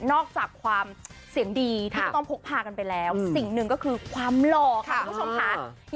อกจากความเสียงดีที่จะต้องพกพากันไปแล้วสิ่งหนึ่งก็คือความหล่อค่ะคุณผู้ชมค่ะ